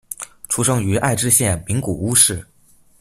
出生于爱知县名古屋市。